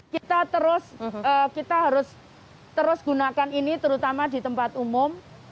kita harus terus gunakan ini terutama di tempat umum